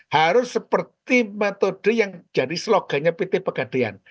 harus seperti metode yang jadi slogannya pt pegadean